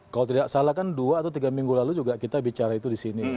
kalau tidak salah kan dua atau tiga minggu lalu juga kita bicara itu di sini